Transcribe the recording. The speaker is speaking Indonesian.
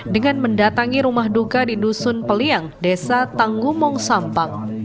dengan mendatangi rumah duka di dusun peliang desa tanggumong sampang